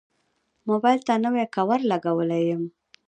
موبایل ته نوی کوور لګولی یم.